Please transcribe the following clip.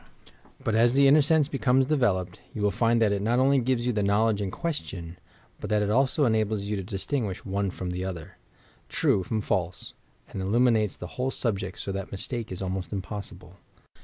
But as the inner sense becomes developed, you will find that it not only gives you the knowledge in question, but that it also enables you to distinguish one from the other — true from false, and illuminates the whole subject so that mistake is almost impossible.